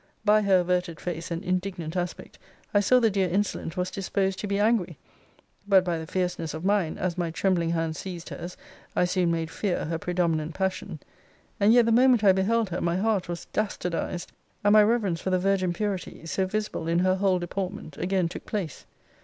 By her averted face, and indignant aspect, I saw the dear insolent was disposed to be angry but by the fierceness of mine, as my trembling hand seized hers, I soon made fear her predominant passion. And yet the moment I beheld her, my heart was dastardized; and my reverence for the virgin purity, so visible in her whole deportment, again took place.